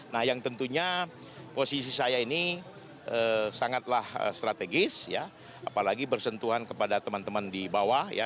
nah yang tentunya posisi saya ini sangatlah strategis ya apalagi bersentuhan kepada teman teman di bawah ya